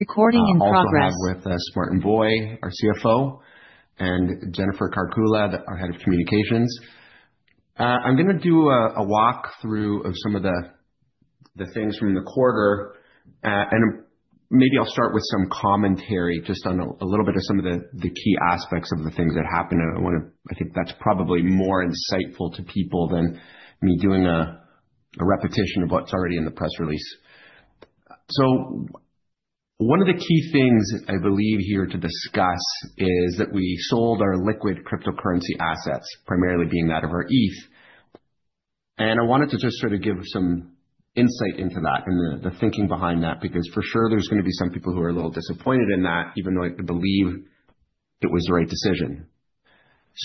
Recording in progress. With Martin Bui, our CFO, and Jennifer Karkula, our Head of Communications. I'm going to do a walkthrough of some of the things from the quarter. I'll start with some commentary just on a little bit of some of the key aspects of the things that happened. I think that's probably more insightful to people than me doing a repetition of what's already in the press release. One of the key things I believe here to discuss is that we sold our liquid cryptocurrency assets, primarily being that of our ETH. I wanted to just sort of give some insight into that and the thinking behind that, because for sure there's going to be some people who are a little disappointed in that, even though I believe it was the right decision.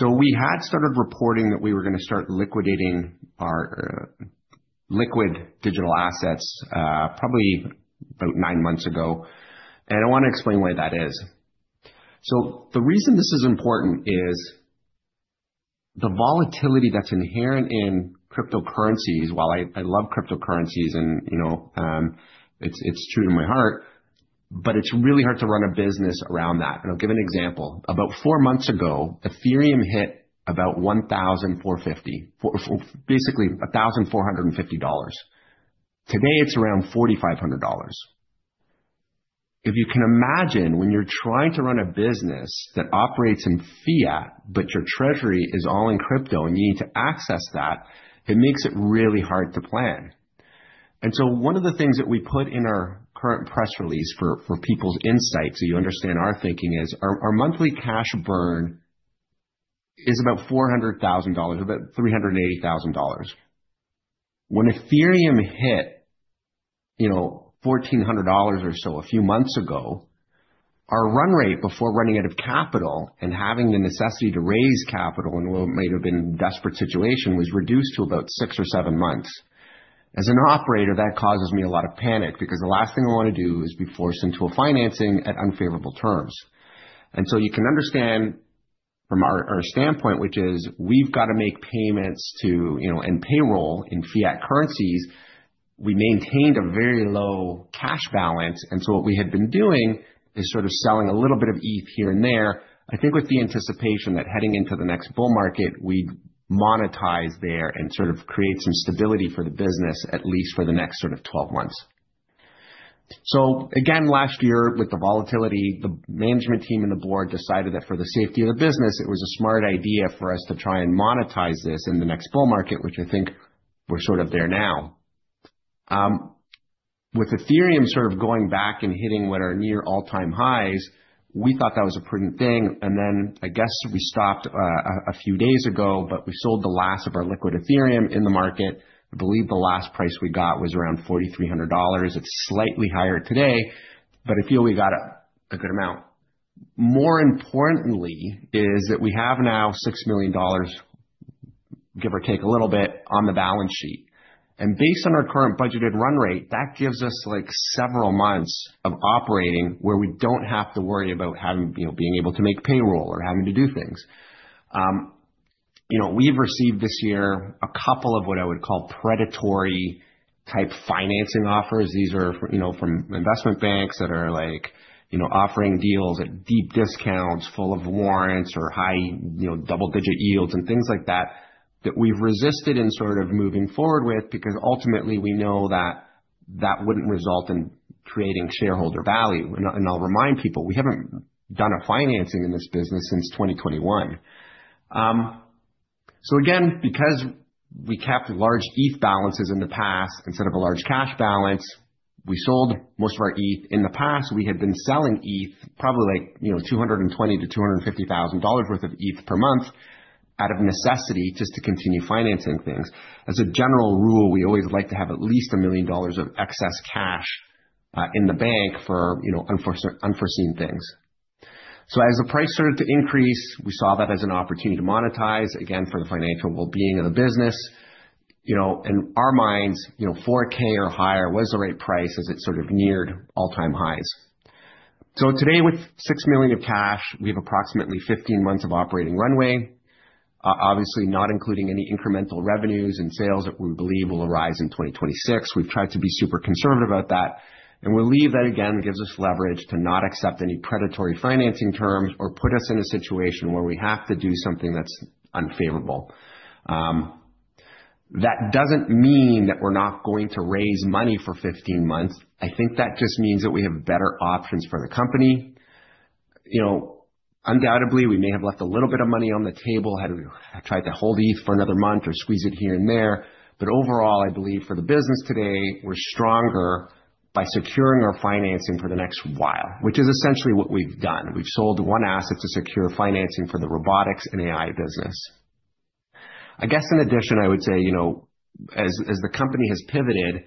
We had started reporting that we were going to start liquidating our liquid digital assets, probably about nine months ago. I want to explain why that is. The reason this is important is the volatility that's inherent in cryptocurrencies. While I love cryptocurrencies and, you know, it's true to my heart, it's really hard to run a business around that. I'll give an example. About four months ago, Ethereum hit about $1,450, basically $1,450. Today, it's around $4,500. If you can imagine when you're trying to run a business that operates in fiat, but your treasury is all in crypto and you need to access that, it makes it really hard to plan. One of the things that we put in our current press release for people's insight, so you understand our thinking, is our monthly cash burn is about $400,000, about $380,000. When Ethereum hit, you know, $1,400 or so a few months ago, our run rate before running out of capital and having the necessity to raise capital in what might have been a desperate situation was reduced to about six or seven months. As an operator, that causes me a lot of panic because the last thing I want to do is be forced into a financing at unfavorable terms. You can understand from our standpoint, which is we've got to make payments to, you know, and payroll in fiat currencies. We maintained a very low cash balance. What we had been doing is sort of selling a little bit of ETH here and there, I think with the anticipation that heading into the next bull market, we'd monetize there and sort of create some stability for the business, at least for the next sort of 12 months. Last year with the volatility, the management team and the board decided that for the safety of the business, it was a smart idea for us to try and monetize this in the next bull market, which I think we're sort of there now. With Ethereum sort of going back and hitting what are near all-time highs, we thought that was a prudent thing. I guess we stopped a few days ago, but we sold the last of our liquid Ethereum in the market. I believe the last price we got was around $4,300. It's slightly higher today, but I feel we got a good amount. More importantly is that we have now $6 million, give or take a little bit on the balance sheet. Based on our current budgeted run rate, that gives us like several months of operating where we don't have to worry about having, you know, being able to make payroll or having to do things. We've received this year a couple of what I would call predatory type financing offers. These are from investment banks that are offering deals at deep discounts, full of warrants or high, double-digit yields, and things like that that we've resisted in moving forward with because ultimately we know that that wouldn't result in creating shareholder value. I'll remind people, we haven't done a financing in this business since 2021. Again, because we kept large ETH balances in the past instead of a large cash balance, we sold most of our ETH in the past. We had been selling ETH probably like $220,000-$250,000 worth of ETH per month out of necessity just to continue financing things. As a general rule, we always like to have at least $1 million of excess cash in the bank for unforeseen things. As the price started to increase, we saw that as an opportunity to monetize again for the financial well-being of the business. In our minds, $4,000 or higher was the right price as it sort of neared all-time highs. Today, with $6 million of cash, we have approximately 15 months of operating runway, obviously not including any incremental revenues and sales that we believe will arise in 2026. We've tried to be super conservative about that. That again gives us leverage to not accept any predatory financing terms or put us in a situation where we have to do something that's unfavorable. That doesn't mean that we're not going to raise money for 15 months. I think that just means that we have better options for the company. Undoubtedly, we may have left a little bit of money on the table had we tried to hold ETH for another month or squeeze it here and there. Overall, I believe for the business today, we're stronger by securing our financing for the next while, which is essentially what we've done. We've sold one asset to secure financing for the robotics and AI business. In addition, I would say, as the company has pivoted,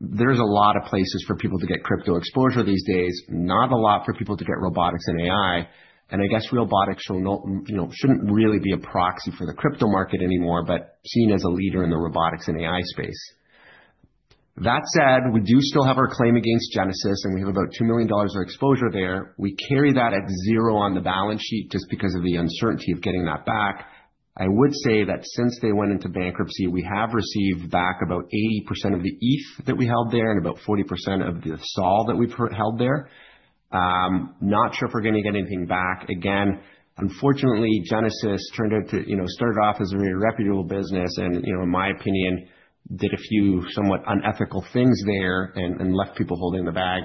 there's a lot of places for people to get crypto exposure these days, not a lot for people to get robotics and AI. Realbotix shouldn't really be a proxy for the crypto market anymore, but seen as a leader in the robotics and AI space. That said, we do still have our claim against Genesis and we have about $2 million of exposure there. We carry that at zero on the balance sheet just because of the uncertainty of getting that back. I would say that since they went into bankruptcy, we have received back about 80% of the ETH that we held there and about 40% of the SOL that we've held there. Not sure if we're going to get anything back. Unfortunately, Genesis turned out to, you know, started off as a very reputable business and, in my opinion, did a few somewhat unethical things there and left people holding the bag.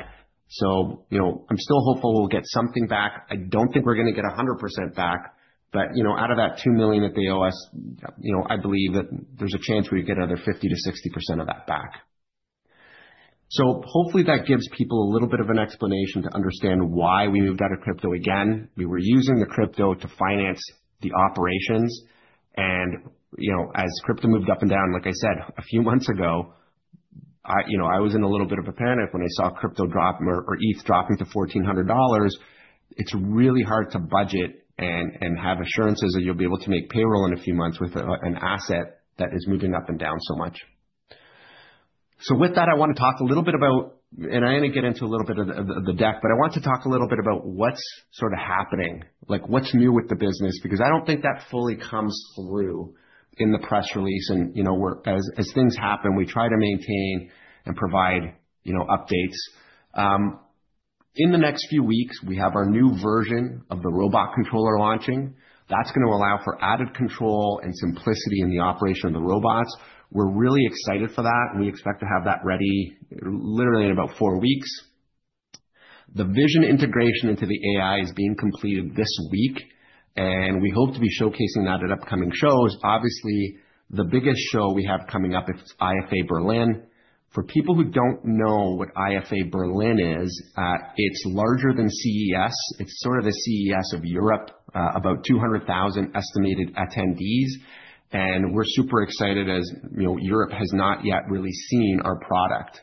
I'm still hopeful we'll get something back. I don't think we're going to get 100% back, but out of that $2 million that they owe us, I believe that there's a chance we've got another 50%-60% of that back. Hopefully that gives people a little bit of an explanation to understand why we moved out of crypto again. We were using the crypto to finance the operations. As crypto moved up and down, like I said, a few months ago, I was in a little bit of a panic when I saw crypto drop or ETH dropping to $1,400. It's really hard to budget and have assurances that you'll be able to make payroll in a few months with an asset that is moving up and down so much. With that, I want to talk a little bit about, and I'm going to get into a little bit of the deck, but I want to talk a little bit about what's sort of happening, like what's new with the business, because I don't think that fully comes through in the press release. As things happen, we try to maintain and provide updates. In the next few weeks, we have our new version of the robot controller launching. That's going to allow for added control and simplicity in the operation of the robots. We're really excited for that. We expect to have that ready literally in about four weeks. The vision integration into the AI is being completed this week. We hope to be showcasing that at upcoming shows. Obviously, the biggest show we have coming up is IFA Berlin. For people who don't know what IFA Berlin is, it's larger than CES. It's sort of the CES of Europe, about 200,000 estimated attendees. We're super excited as, you know, Europe has not yet really seen our product.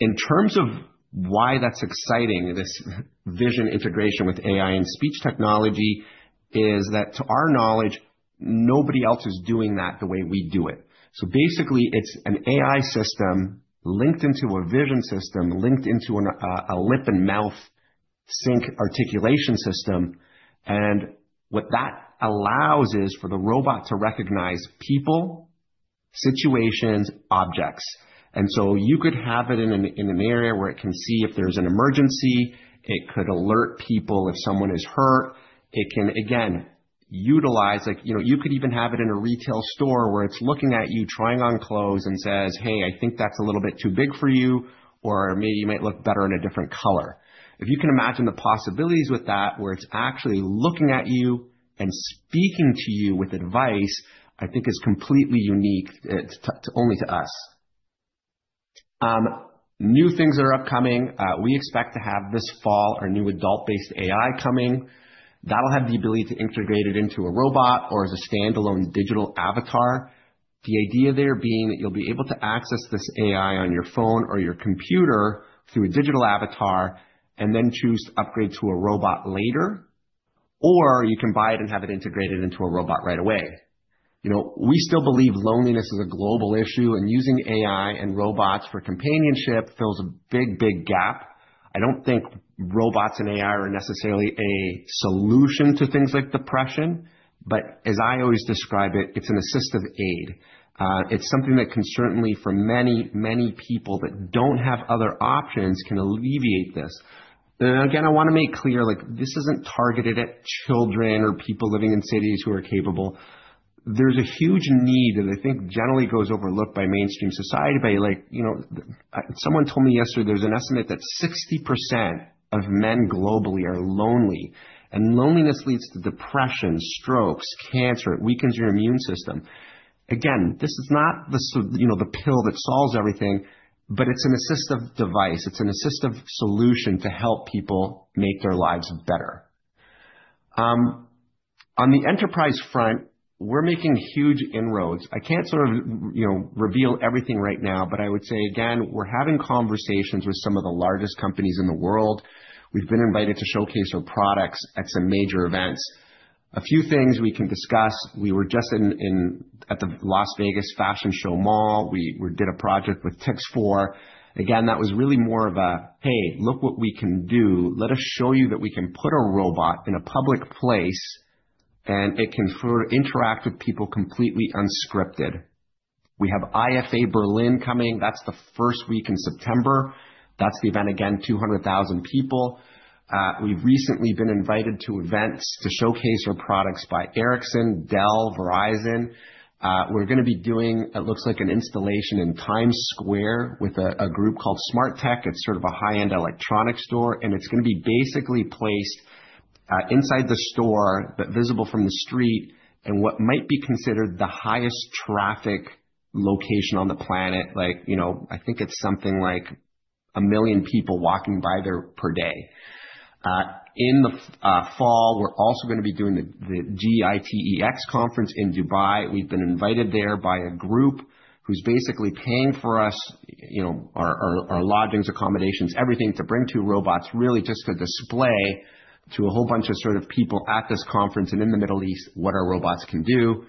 In terms of why that's exciting, this vision integration with AI and speech technology is that to our knowledge, nobody else is doing that the way we do it. Basically, it's an AI system linked into a vision system, linked into a lip-and-mouth sync articulation system. What that allows is for the robot to recognize people, situations, objects. You could have it in an area where it can see if there's an emergency. It could alert people if someone is hurt. It can, again, utilize, like, you know, you could even have it in a retail store where it's looking at you, trying on clothes and says, "Hey, I think that's a little bit too big for you," or "Maybe you might look better in a different color." If you can imagine the possibilities with that, where it's actually looking at you and speaking to you with advice, I think it's completely unique to only to us. New things are upcoming. We expect to have this fall our new adult-based AI coming. That'll have the ability to integrate it into a robot or the standalone digital avatar. The idea there being that you'll be able to access this AI on your phone or your computer through a digital avatar and then choose to upgrade to a robot later, or you can buy it and have it integrated into a robot right away. We still believe loneliness is a global issue and using AI and robots for companionship fills a big, big gap. I don't think robots and AI are necessarily a solution to things like depression, but as I always describe it, it's an assistive aid. It's something that can certainly, for many, many people that don't have other options, can alleviate this. I want to make clear, like, this isn't targeted at children or people living in cities who are capable. There's a huge need that I think generally goes overlooked by mainstream society. Someone told me yesterday, there's an estimate that 60% of men globally are lonely. Loneliness leads to depression, strokes, cancer. It weakens your immune system. This is not the pill that solves everything, but it's an assistive device. It's an assistive solution to help people make their lives better. On the enterprise front, we're making huge inroads. I can't reveal everything right now, but I would say we're having conversations with some of the largest companies in the world. We've been invited to showcase our products at some major events. A few things we can discuss: we were just at the Las Vegas Fashion Show Mall. We did a project with Tix4. That was really more of a, "Hey, look what we can do. Let us show you that we can put a robot in a public place and it can interact with people completely unscripted." We have IFA Berlin coming. That's the first week in September. That's the event, 200,000 people. We've recently been invited to events to showcase our products by Ericsson, Dell, Verizon. We're going to be doing what looks like an installation in Times Square with a group called SmartTech. It's a high-end electronics store, and it's going to be basically placed inside the store but visible from the street in what might be considered the highest traffic location on the planet. I think it's something like a million people walking by there per day. In the fall, we're also going to be doing the GITEX conference in Dubai. We've been invited there by a group who's basically paying for us, our lodgings, accommodations, everything to bring two robots, really just to display to a whole bunch of people at this conference and in the Middle East what our robots can do.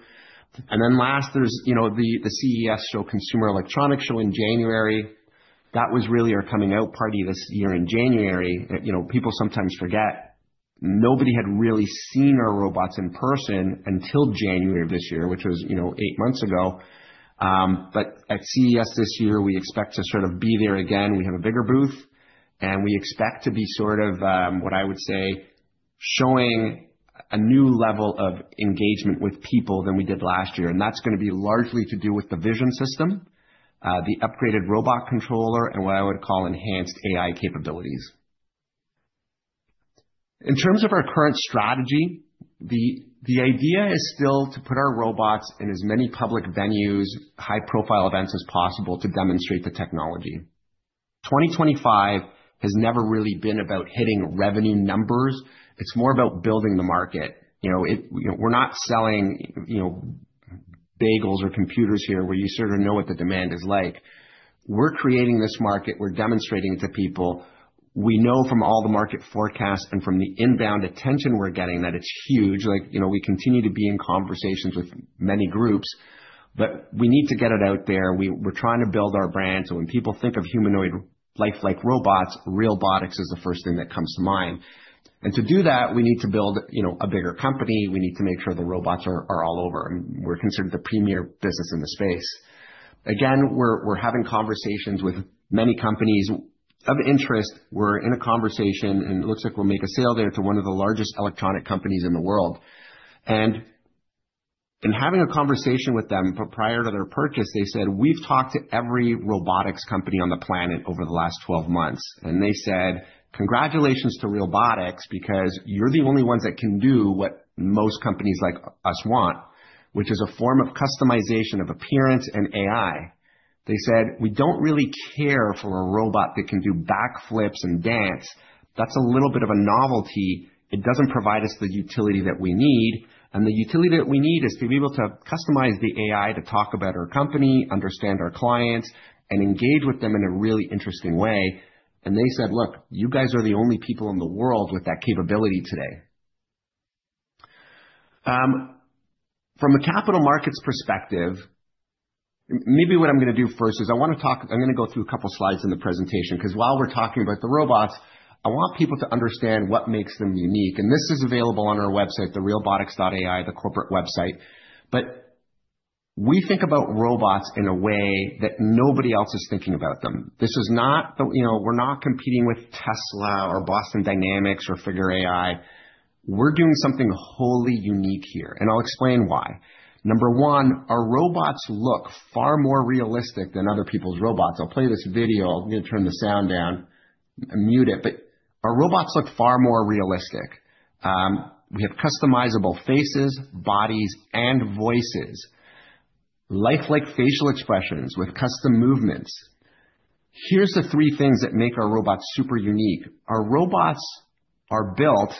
Last, there's the CES show, Consumer Electronics Show in January. That was really our coming-out party this year in January. People sometimes forget, nobody had really seen our robots in person until January of this year, which was eight months ago. At CES this year, we expect to be there again. We have a bigger booth, and we expect to be showing a new level of engagement with people than we did last year. That's going to be largely to do with the vision system, the upgraded robot controller, and what I would call enhanced AI capabilities. In terms of our current strategy, the idea is still to put our robots in as many public venues and high-profile events as possible to demonstrate the technology. 2025 has never really been about hitting revenue numbers. It's more about building the market. We're not selling bagels or computers here where you sort of know what the demand is like. We're creating this market. We're demonstrating it to people. We know from all the market forecasts and from the inbound attention we're getting that it's huge. We continue to be in conversations with many groups, but we need to get it out there. We're trying to build our brand. When people think of humanoid life-like robots, Realbotix is the first thing that comes to mind. To do that, we need to build a bigger company. We need to make sure the robots are all over, and we're considered the premier business in the space. We're having conversations with many companies of interest. We're in a conversation, and it looks like we'll make a sale there to one of the largest electronic companies in the world. In having a conversation with them prior to their purchase, they said, "We've talked to every robotics company on the planet over the last 12 months." They said, "Congratulations to Realbotix because you're the only ones that can do what most companies like us want, which is a form of customization of appearance and AI." They said, "We don't really care for a robot that can do backflips and dance. That's a little bit of a novelty. It doesn't provide us the utility that we need. The utility that we need is to be able to customize the AI to talk about our company, understand our clients, and engage with them in a really interesting way." They said, "Look, you guys are the only people in the world with that capability today." From a capital markets perspective, maybe what I'm going to do first is I want to talk, I'm going to go through a couple of slides in the presentation because while we're talking about the robots, I want people to understand what makes them unique. This is available on our website, the Realbotix.ai, the corporate website. We think about robots in a way that nobody else is thinking about them. This is not, we're not competing with Tesla or Boston Dynamics or Figure AI. We're doing something wholly unique here. I'll explain why. Number one, our robots look far more realistic than other people's robots. I'll play this video. I'll need to turn the sound down and mute it. Our robots look far more realistic. We have customizable faces, bodies, and voices. Lifelike facial expressions with custom movements. Here are the three things that make our robots super unique. Our robots are built,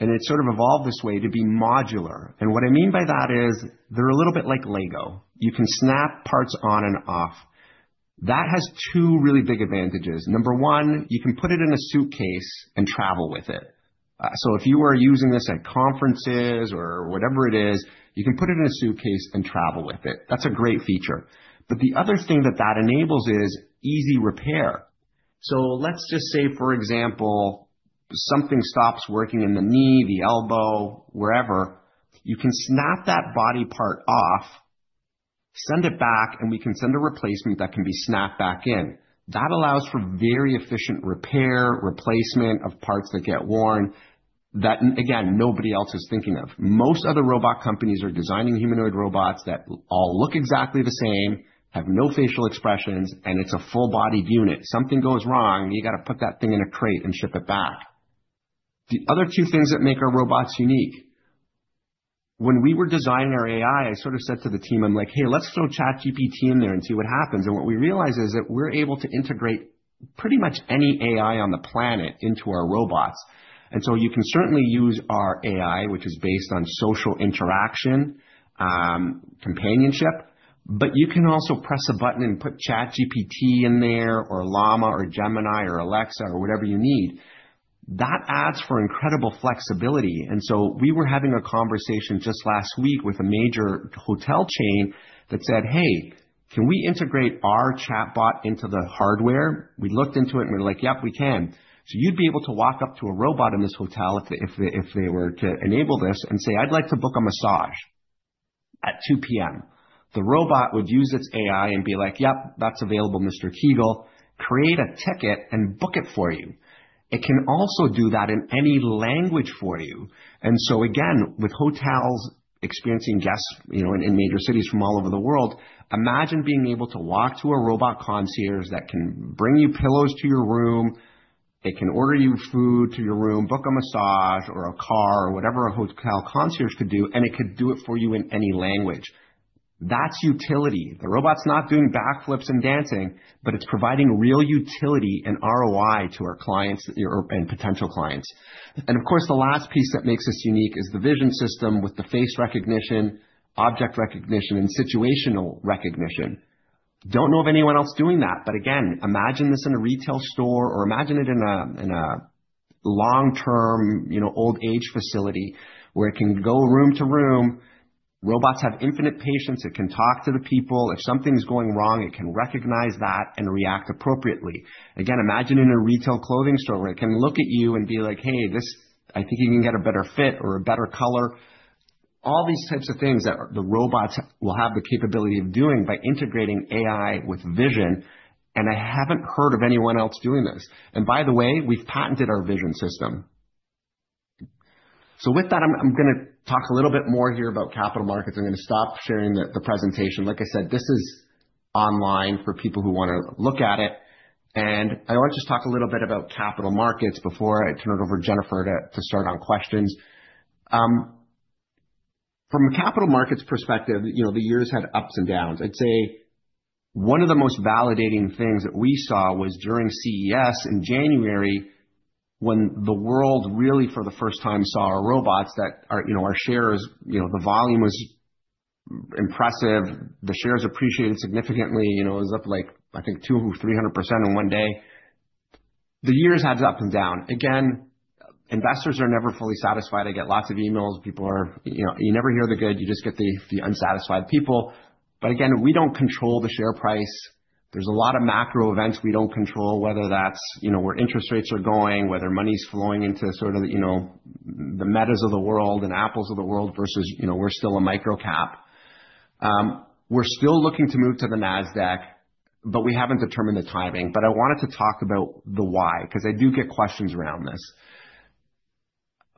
and it's sort of evolved this way, to be modular. What I mean by that is they're a little bit like Lego. You can snap parts on and off. That has two really big advantages. Number one, you can put it in a suitcase and travel with it. If you were using this at conferences or whatever it is, you can put it in a suitcase and travel with it. That's a great feature. The other thing that enables is easy repair. Let's just say, for example, something stops working in the knee, the elbow, wherever. You can snap that body part off, send it back, and we can send a replacement that can be snapped back in. That allows for very efficient repair, replacement of parts that get worn that, again, nobody else is thinking of. Most other robot companies are designing humanoid robots that all look exactly the same, have no facial expressions, and it's a full-bodied unit. Something goes wrong, and you have to put that thing in a crate and ship it back. The other two things that make our robots unique. When we were designing our AI, I sort of said to the team, "Hey, let's throw ChatGPT in there and see what happens." What we realized is that we're able to integrate pretty much any AI on the planet into our robots. You can certainly use our AI, which is based on social interaction, companionship, but you can also press a button and put ChatGPT in there or Llama or Gemini or Alexa or whatever you need. That adds incredible flexibility. We were having a conversation just last week with a major hotel chain that said, "Hey, can we integrate our chatbot into the hardware?" We looked into it and we're like, "Yep, we can." You'd be able to walk up to a robot in this hotel if they were to enable this and say, "I'd like to book a massage at 2:00 P.M." The robot would use its AI and be like, "Yep, that's available, Mr. Kiguel. Create a ticket and book it for you." It can also do that in any language for you. With hotels experiencing guests in major cities from all over the world, imagine being able to walk to a robot concierge that can bring you pillows to your room. It can order you food to your room, book a massage or a car or whatever a hotel concierge could do, and it could do it for you in any language. That's utility. The robot's not doing backflips and dancing, but it's providing real utility and ROI to our clients and potential clients. Of course, the last piece that makes us unique is the vision system with the face recognition, object recognition, and situational recognition. I don't know of anyone else doing that. Imagine this in a retail store or imagine it in a long-term, old-age facility where it can go room to room. Robots have infinite patience. It can talk to the people. If something's going wrong, it can recognize that and react appropriately. Imagine in a retail clothing store where it can look at you and be like, "Hey, I think you can get a better fit or a better color." All these types of things that the robots will have the capability of doing by integrating AI with vision. I haven't heard of anyone else doing this. By the way, we've patented our vision system. With that, I'm going to talk a little bit more here about capital markets. I'm going to stop sharing the presentation. Like I said, this is online for people who want to look at it. I want to just talk a little bit about capital markets before I turn it over to Jennifer to start on questions. From a capital markets perspective, the year's had ups and downs. I'd say one of the most validating things that we saw was during CES in January when the world really, for the first time, saw our robots. Our shares, the volume was impressive. The shares appreciated significantly. It was up like, I think, 200 or 300% in one day. The year's had up and down. Investors are never fully satisfied. I get lots of emails. People are, you know, you never hear the good. You just get the unsatisfied people. We don't control the share price. There's a lot of macro events we don't control, whether that's where interest rates are going, whether money's flowing into sort of the metas of the world and apples of the world versus, you know, we're still a micro-cap. We're still looking to move to the NASDAQ, but we haven't determined the timing. I wanted to talk about the why because I do get questions around this.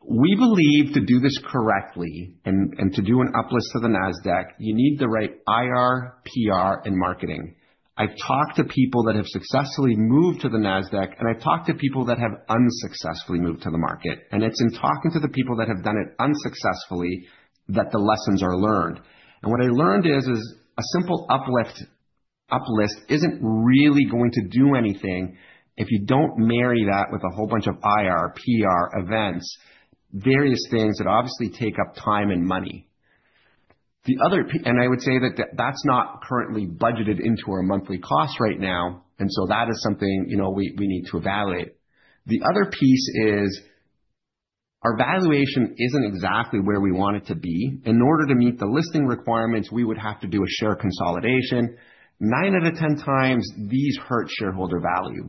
We believe to do this correctly and to do an uplisting to the NASDAQ, you need the right IR, PR, and marketing. I've talked to people that have successfully moved to the NASDAQ, and I've talked to people that have unsuccessfully moved to the market. It's in talking to the people that have done it unsuccessfully that the lessons are learned. What I learned is a simple uplisting isn't really going to do anything if you don't marry that with a whole bunch of IR, PR events, various things that obviously take up time and money. I would say that that's not currently budgeted into our monthly costs right now, so that is something we need to evaluate. The other piece is our valuation isn't exactly where we want it to be. In order to meet the listing requirements, we would have to do a share consolidation. Nine out of ten times, these hurt shareholder value.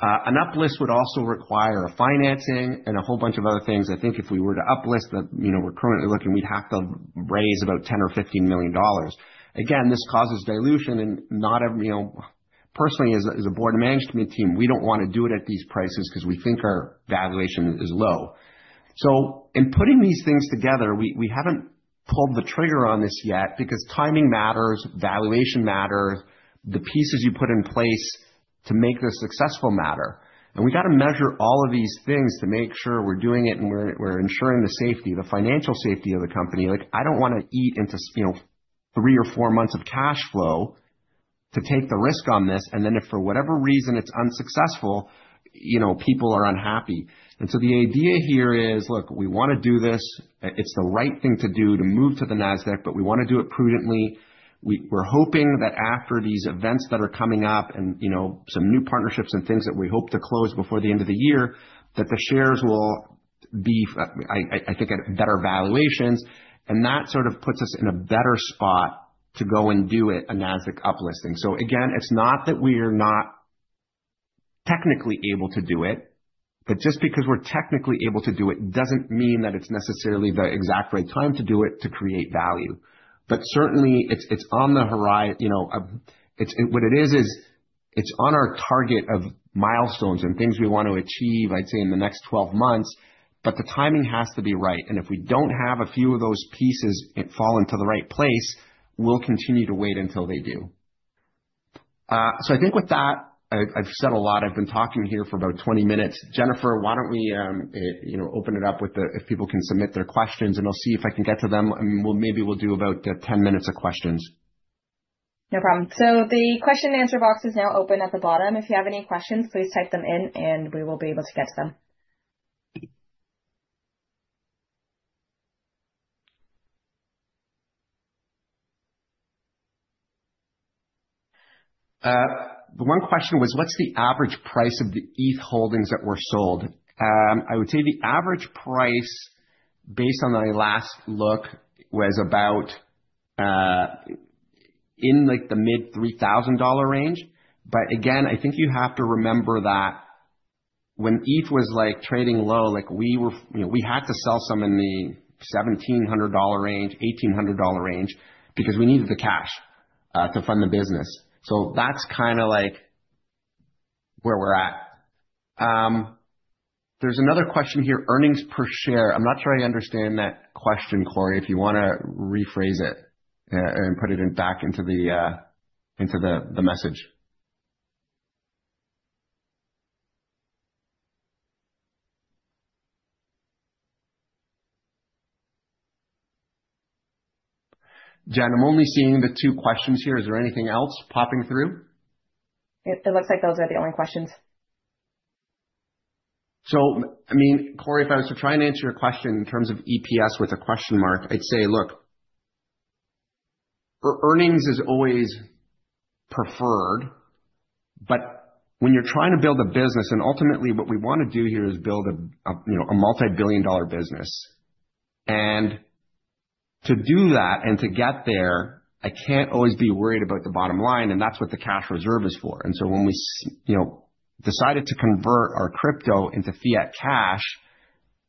An uplisting would also require financing and a whole bunch of other things. I think if we were to uplist, we're currently looking, we'd have to raise about $10 million or $15 million. Again, this causes dilution and not every, you know, personally as a board management team, we don't want to do it at these prices because we think our valuation is low. In putting these things together, we haven't pulled the trigger on this yet because timing matters, valuation matters, the pieces you put in place to make this successful matter. We've got to measure all of these things to make sure we're doing it and we're ensuring the safety, the financial safety of the company. I don't want to eat into three or four months of cash flow to take the risk on this. If for whatever reason it's unsuccessful, people are unhappy. The idea here is, look, we want to do this. It's the right thing to do to move to the NASDAQ, but we want to do it prudently. We're hoping that after these events that are coming up and some new partnerships and things that we hope to close before the end of the year, that the shares will be, I think, at better valuations. That sort of puts us in a better spot to go and do a NASDAQ uplisting. It's not that we are not technically able to do it, but just because we're technically able to do it doesn't mean that it's necessarily the exact right time to do it to create value. Certainly, it's on the horizon. What it is, is it's on our target of milestones and things we want to achieve, I'd say, in the next 12 months. The timing has to be right. If we do not have a few of those pieces fall into the right place, we will continue to wait until they do. I think with that, I have said a lot. I have been talking here for about 20 minutes. Jennifer, why do we not open it up with the, if people can submit their questions, and I will see if I can get to them. Maybe we will do about 10 minutes of questions. No problem. The question and answer box is now open at the bottom. If you have any questions, please type them in and we will be able to get to them. The one question was, what is the average price of the ETH holdings that were sold? I would say the average price, based on my last look, was about in the mid-$3,000 range. Again, I think you have to remember that when ETH was trading low, we had to sell some in the $1,700 range, $1,800 range because we needed the cash to fund the business. That is kind of where we are at. There is another question here, earnings per share. I am not sure I understand that question, Corey, if you want to rephrase it and put it back into the message. Jen, I am only seeing the two questions here. Is there anything else popping through? It looks like those are the only questions. Corey, if I was to try and answer your question in terms of EPS with a question mark, I'd say, look, earnings is always preferred. When you're trying to build a business, and ultimately what we want to do here is build a multibillion-dollar business. To do that and to get there, I can't always be worried about the bottom line. That's what the cash reserve is for. When we decided to convert our crypto into fiat cash,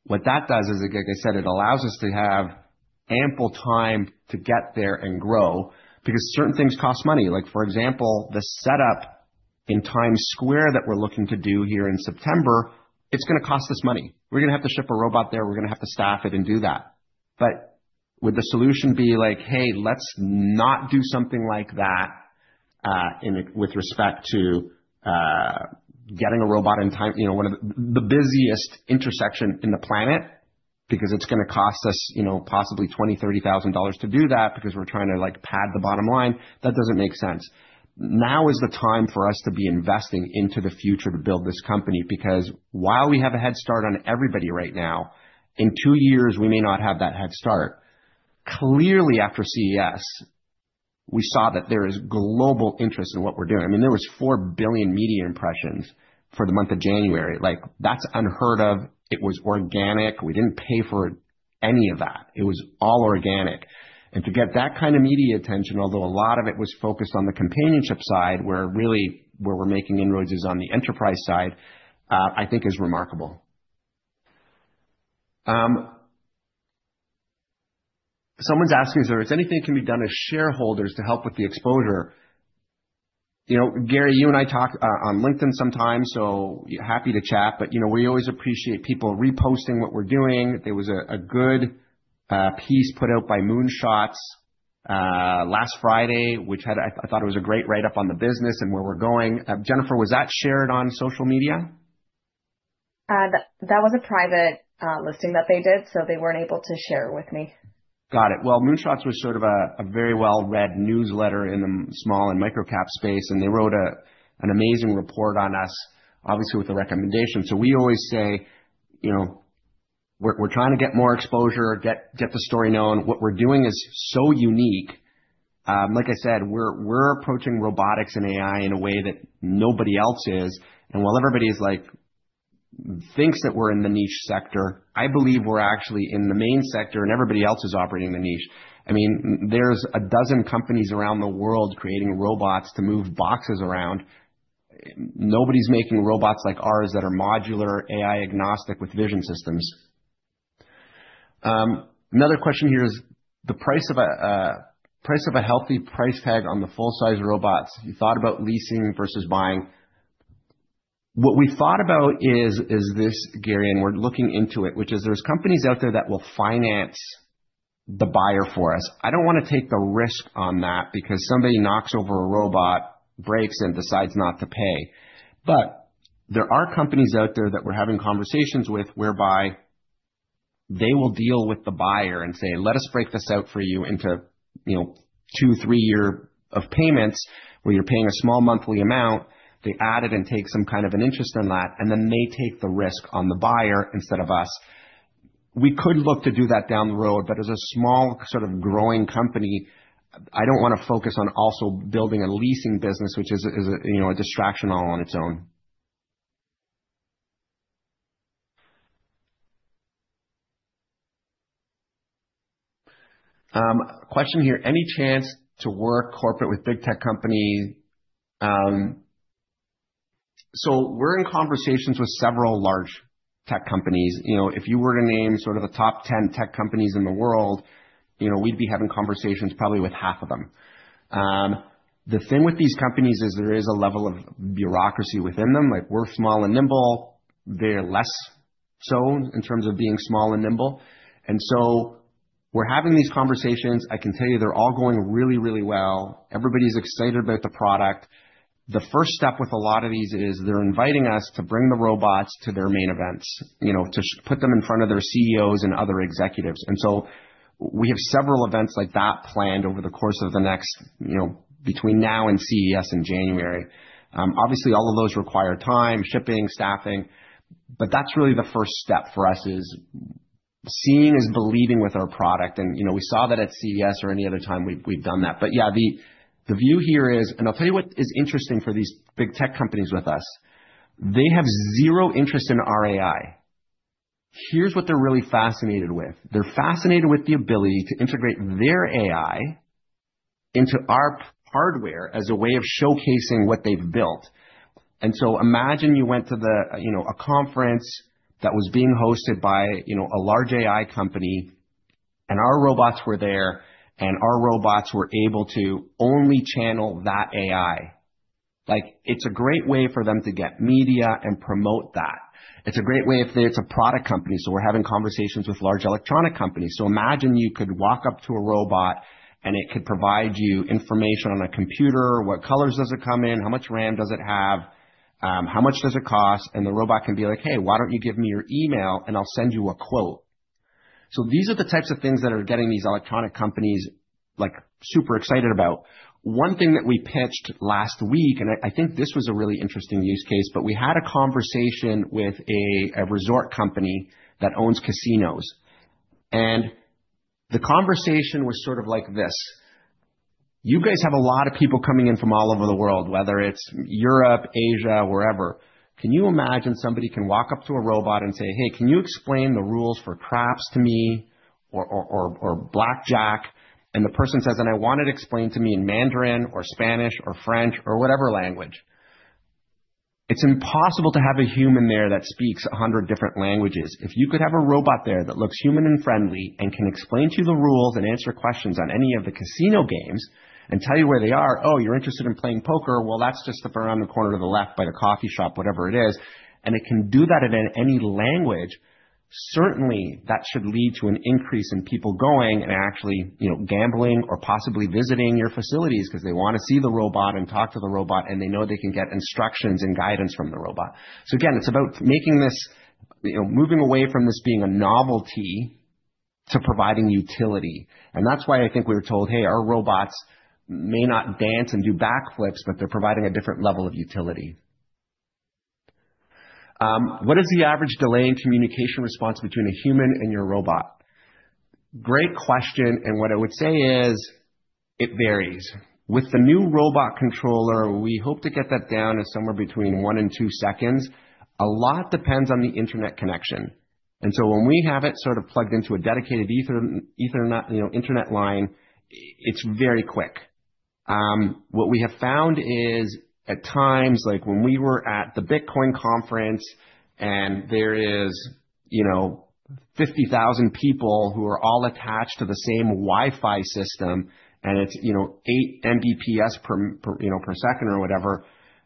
what that does is, like I said, it allows us to have ample time to get there and grow because certain things cost money. For example, the setup in Times Square that we're looking to do here in September, it's going to cost us money. We're going to have to ship a robot there. We're going to have to staff it and do that. Would the solution be like, hey, let's not do something like that with respect to getting a robot in time, you know, one of the busiest intersections on the planet because it's going to cost us, you know, possibly $20,000, $30,000 to do that because we're trying to like pad the bottom line? That doesn't make sense. Now is the time for us to be investing into the future to build this company because while we have a head start on everybody right now, in two years, we may not have that head start. Clearly, after CES, we saw that there is global interest in what we're doing. There were 4 billion media impressions for the month of January. That's unheard of. It was organic. We didn't pay for any of that. It was all organic. To get that kind of media attention, although a lot of it was focused on the companionship side, where really where we're making inroads is on the enterprise side, I think is remarkable. Someone's asking us if there's anything that can be done as shareholders to help with the exposure. Gary, you and I talk on LinkedIn sometimes, so happy to chat. We always appreciate people reposting what we're doing. There was a good piece put out by Moonshots last Friday, which had, I thought it was a great write-up on the business and where we're going. Jennifer, was that shared on social media? That was a private listing that they did, so they weren't able to share it with me. Got it. Moonshots was sort of a very well-read newsletter in the small and micro-cap space, and they wrote an amazing report on us, obviously with a recommendation. We always say, you know, we're trying to get more exposure, get the story known. What we're doing is so unique. Like I said, we're approaching robotics and AI in a way that nobody else is. While everybody thinks that we're in the niche sector, I believe we're actually in the main sector and everybody else is operating in the niche. I mean, there's a dozen companies around the world creating robots to move boxes around. Nobody's making robots like ours that are modular, AI-agnostic with vision systems. Another question here is the price of a healthy price tag on the full-size robots. You thought about leasing versus buying. What we've thought about is this, Gary, and we're looking into it, which is there's companies out there that will finance the buyer for us. I don't want to take the risk on that because somebody knocks over a robot, breaks it, and decides not to pay. There are companies out there that we're having conversations with whereby they will deal with the buyer and say, "Let us break this out for you into, you know, two, three years of payments where you're paying a small monthly amount." They add it and take some kind of an interest in that, and then they take the risk on the buyer instead of us. We could look to do that down the road, but as a small sort of growing company, I don't want to focus on also building a leasing business, which is a distraction all on its own. Question here, any chance to work corporate with big tech companies? We're in conversations with several large tech companies. If you were to name sort of the top 10 tech companies in the world, you know, we'd be having conversations probably with half of them. The thing with these companies is there is a level of bureaucracy within them. We're small and nimble. They're less so in terms of being small and nimble. We're having these conversations. I can tell you they're all going really, really well. Everybody's excited about the product. The first step with a lot of these is they're inviting us to bring the robots to their main events, to put them in front of their CEOs and other executives. We have several events like that planned over the course of the next, you know, between now and CES in January. Obviously, all of those require time, shipping, staffing. That's really the first step for us, seeing is believing with our product. You know, we saw that at CES or any other time we've done that. The view here is, and I'll tell you what is interesting for these big tech companies with us, they have zero interest in our AI. Here's what they're really fascinated with. They're fascinated with the ability to integrate their AI into our hardware as a way of showcasing what they've built. Imagine you went to a conference that was being hosted by a large AI company, and our robots were there, and our robots were able to only channel that AI. It's a great way for them to get media and promote that. It's a great way if it's a product company. We're having conversations with large electronic companies. Imagine you could walk up to a robot and it could provide you information on a computer, what colors does it come in, how much RAM does it have, how much does it cost, and the robot can be like, "Hey, why don't you give me your email and I'll send you a quote?" These are the types of things that are getting these electronic companies super excited about. One thing that we pitched last week, and I think this was a really interesting use case, we had a conversation with a resort company that owns casinos. The conversation was sort of like this. You guys have a lot of people coming in from all over the world, whether it's Europe, Asia, wherever. Can you imagine somebody can walk up to a robot and say, "Hey, can you explain the rules for craps to me or blackjack?" The person says, "And I want it explained to me in Mandarin or Spanish or French or whatever language." It's impossible to have a human there that speaks 100 different languages. If you could have a robot there that looks human and friendly and can explain to you the rules and answer questions on any of the casino games and tell you where they are, "Oh, you're interested in playing poker? That's just around the corner to the left by the coffee shop, whatever it is." It can do that in any language. Certainly, that should lead to an increase in people going and actually, you know, gambling or possibly visiting your facilities because they want to see the robot and talk to the robot, and they know they can get instructions and guidance from the robot. It's about making this, you know, moving away from this being a novelty to providing utility. That's why I think we were told, "Hey, our robots may not dance and do backflips, but they're providing a different level of utility." What is the average delay in communication response between a human and your robot? Great question. What I would say is it varies. With the new robot controller, we hope to get that down to somewhere between one and two seconds. A lot depends on the internet connection. When we have it plugged into a dedicated Ethernet line, it's very quick. What we have found is at times, like when we were at the Bitcoin conference and there are, you know, 50,000 people who are all attached to the same Wi-Fi system and it's, you know, 8 Mbps or whatever,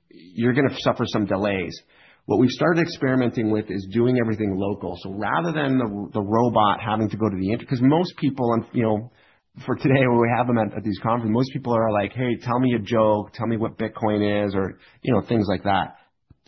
you're going to suffer some delays. What we've started experimenting with is doing everything local. Rather than the robot having to go to the internet, because most people, you know, for today we have them at these conferences, most people are like, "Hey, tell me a joke. Tell me what Bitcoin is," or, you know, things like that.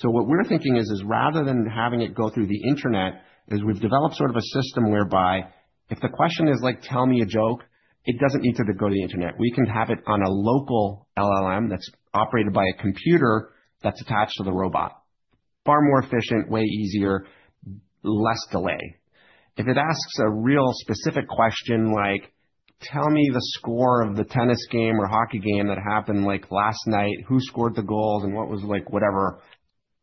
What we're thinking is, rather than having it go through the internet, we've developed a system whereby if the question is like, "Tell me a joke," it doesn't need to go to the internet. We can have it on a local LLM that's operated by a computer that's attached to the robot. Far more efficient, way easier, less delay. If it asks a real specific question like, "Tell me the score of the tennis game or hockey game that happened last night, who scored the goals and what was," whatever,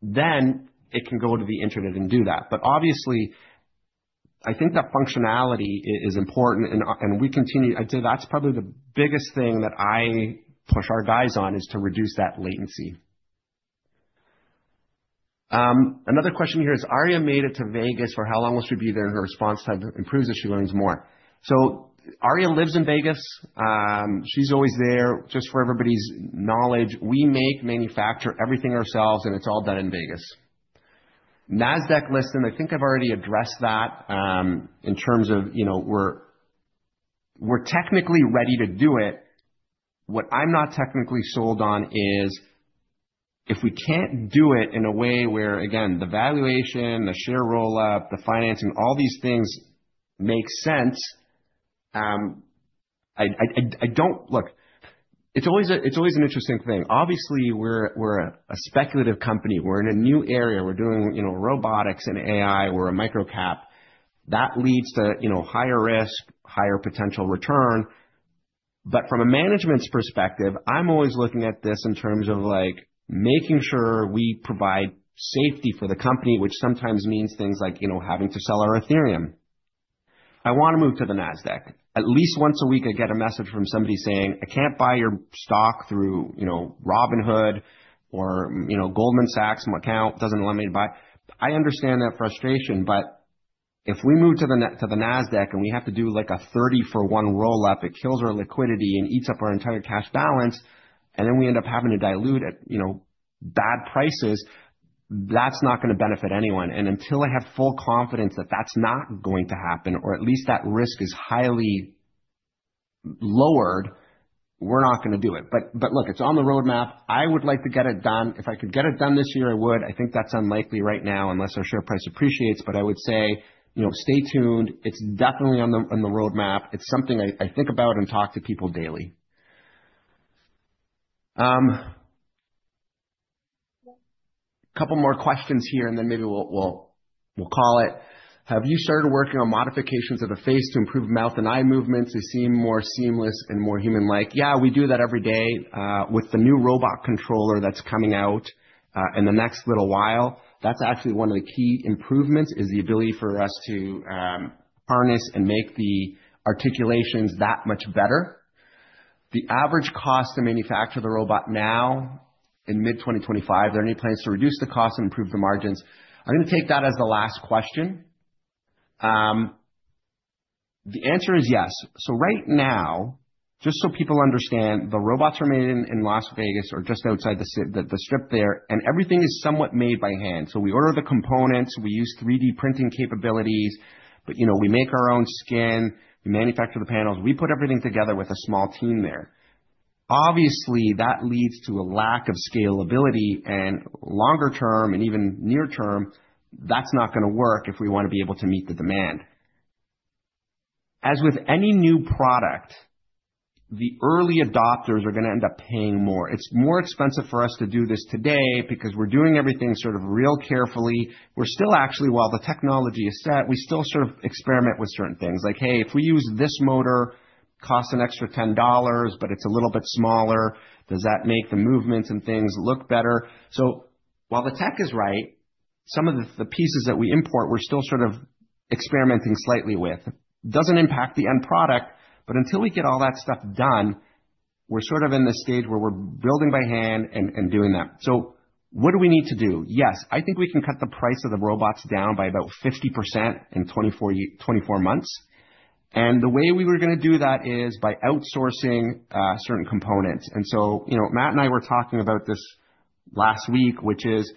then it can go to the internet and do that. Obviously, I think that functionality is important. We continue, I'd say that's probably the biggest thing that I push our guys on is to reduce that latency. Another question here is, "Aria made it to Vegas. For how long will she be there?" Her response time improves as she learns more. Aria lives in Vegas. She's always there, just for everybody's knowledge. We make, manufacture everything ourselves, and it's all done in Vegas. NASDAQ listing, I think I've already addressed that in terms of, you know, we're technically ready to do it. What I'm not technically sold on is if we can't do it in a way where, again, the valuation, the share roll-up, the financing, all these things make sense. I don't, look, it's always an interesting thing. Obviously, we're a speculative company. We're in a new area. We're doing robotics and AI. We're a micro-cap. That leads to higher risk, higher potential return. From a management's perspective, I'm always looking at this in terms of making sure we provide safety for the company, which sometimes means things like having to sell our Ethereum. I want to move to the NASDAQ. At least once a week, I get a message from somebody saying, "I can't buy your stock through Robinhood or Goldman Sachs. My account doesn't allow me to buy." I understand that frustration. If we move to the NASDAQ and we have to do like a 30 for 1 roll-up, it kills our liquidity and eats up our entire cash balance. We end up having to dilute at bad prices. That's not going to benefit anyone. Until I have full confidence that that's not going to happen, or at least that risk is highly lowered, we're not going to do it. Look, it's on the roadmap. I would like to get it done. If I could get it done this year, I would. I think that's unlikely right now unless our share price appreciates. I would say stay tuned. It's definitely on the roadmap. It's something I think about and talk to people daily. A couple more questions here, and then maybe we'll call it. Have you started working on modifications of the face to improve mouth and eye movements to seem more seamless and more human-like? Yeah, we do that every day with the new robot controller that's coming out in the next little while. That's actually one of the key improvements, the ability for us to harness and make the articulations that much better. The average cost to manufacture the robot now in mid-2025, are there any plans to reduce the cost and improve the margins? I'm going to take that as the last question. The answer is yes. Right now, just so people understand, the robots are made in Las Vegas or just outside the strip there, and everything is somewhat made by hand. We order the components. We use 3D printing capabilities, but we make our own skin. We manufacture the panels. We put everything together with a small team there. Obviously, that leads to a lack of scalability and longer term and even near term, that's not going to work if we want to be able to meet the demand. As with any new product, the early adopters are going to end up paying more. It's more expensive for us to do this today because we're doing everything sort of real carefully. We're still actually, while the technology is set, we still sort of experiment with certain things. Like, hey, if we use this motor, it costs an extra $10, but it's a little bit smaller. Does that make the movements and things look better? While the tech is right, some of the pieces that we import, we're still sort of experimenting slightly with. It doesn't impact the end product, but until we get all that stuff done, we're in the stage where we're building by hand and doing that. What do we need to do? Yes, I think we can cut the price of the robots down by about 50% in 24 months. The way we were going to do that is by outsourcing certain components. Matt and I were talking about this last week, which is,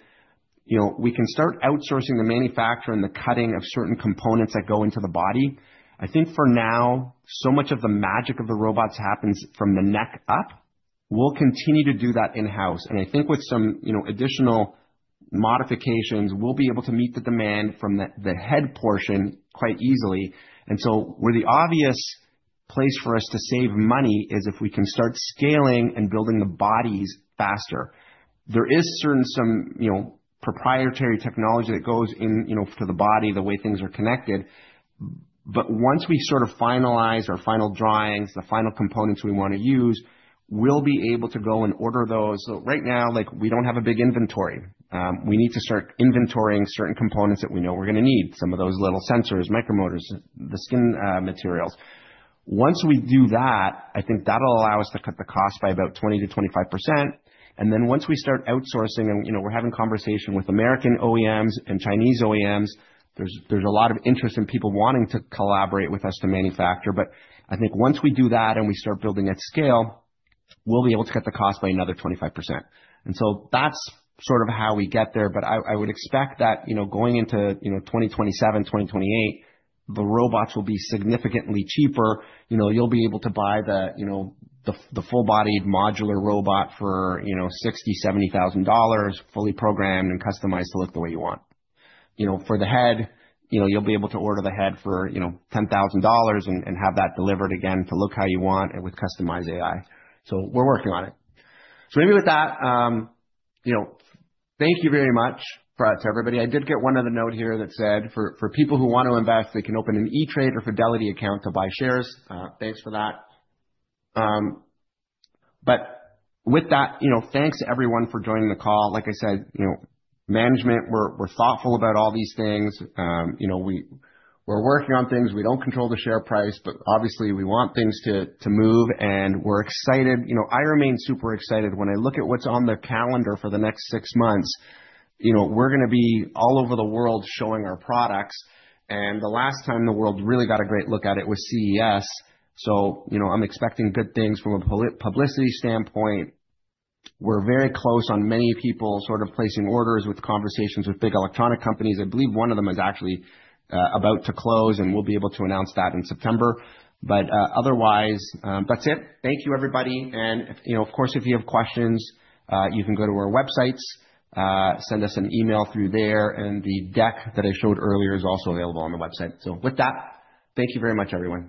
we can start outsourcing the manufacturer and the cutting of certain components that go into the body. I think for now, so much of the magic of the robots happens from the neck up. We'll continue to do that in-house. I think with some additional modifications, we'll be able to meet the demand from the head portion quite easily. The obvious place for us to save money is if we can start scaling and building the bodies faster. There is certainly some proprietary technology that goes into the body, the way things are connected. Once we finalize our final drawings, the final components we want to use, we'll be able to go and order those. Right now, we don't have a big inventory. We need to start inventorying certain components that we know we're going to need, some of those little sensors, micromotors, the skin materials. Once we do that, I think that'll allow us to cut the cost by about 20%-25%. Once we start outsourcing, and we're having a conversation with American OEMs and Chinese OEMs, there's a lot of interest in people wanting to collaborate with us to manufacture. I think once we do that and we start building at scale, we'll be able to cut the cost by another 25%. That's how we get there. I would expect that going into 2027, 2028, the robots will be significantly cheaper. You'll be able to buy the full-body modular robot for $60,000, $70,000, fully programmed and customized to look the way you want. For the head, you'll be able to order the head for $10,000 and have that delivered to look how you want and with customized AI. We're working on it. Maybe with that, thank you very much for us, everybody. I did get one other note here that said for people who want to invest, they can open an E-Trade or Fidelity account to buy shares. Thanks for that. With that, thanks to everyone for joining the call. Like I said, management, we're thoughtful about all these things. We're working on things. We don't control the share price, but obviously we want things to move and we're excited. I remain super excited when I look at what's on the calendar for the next six months. We're going to be all over the world showing our products. The last time the world really got a great look at it was CES. I'm expecting good things from a publicity standpoint. We're very close on many people sort of placing orders with conversations with big electronic companies. I believe one of them is actually about to close and we'll be able to announce that in September. Otherwise, that's it. Thank you, everybody. If you have questions, you can go to our websites, send us an email through there, and the deck that I showed earlier is also available on the website. With that, thank you very much, everyone.